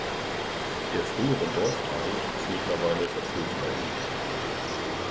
Der frühere Dorfteich ist mittlerweile verfüllt worden.